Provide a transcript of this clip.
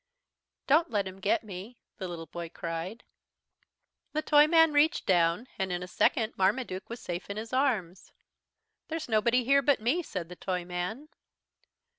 "Don't let him get me!" the little boy cried. The Toyman reached down and in a second Marmaduke was safe in his arms. "There's nobody here but me," said the Toyman.